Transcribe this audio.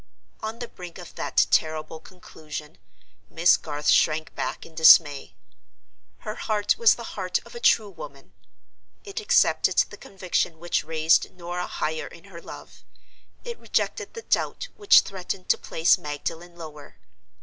On the brink of that terrible conclusion, Miss Garth shrank back in dismay. Her heart was the heart of a true woman. It accepted the conviction which raised Norah higher in her love: it rejected the doubt which threatened to place Magdalen lower.